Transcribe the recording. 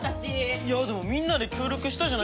いやでもみんなで協力したじゃないですか。